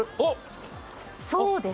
そうです。